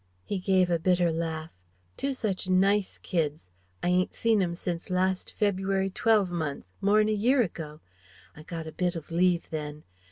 He gave a bitter laugh "Two such nice kids.... I ain't seen 'em since last February twelve month ... more'n a year ago ... I got a bit of leave then....